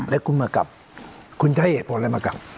แล้วคุณมากลับคุณจะให้เหตุผลอะไรมากลับ